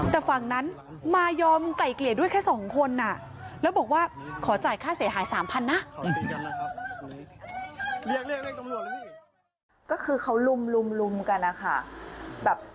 แต่ฝั่งนั้นมายอมไกล่เกลี่ยด้วยแค่๒คนแล้วบอกว่าขอจ่ายค่าเสียหาย๓๐๐นะ